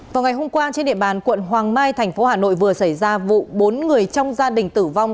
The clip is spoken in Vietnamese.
vào ngày hôm qua trên địa bàn quận hoàng mai thành phố hà nội vừa xảy ra vụ bốn người trong gia đình tử vong